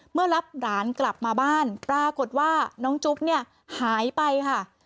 เมื่อรับหลานกลับมาบ้านปรากฏว่าน้องจุ๊บเนี่ยหายไปค่ะ